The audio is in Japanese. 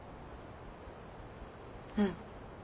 うん。